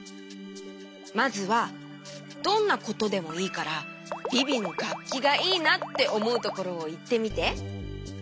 まずはどんなことでもいいからビビのがっきがいいなっておもうところをいってみて。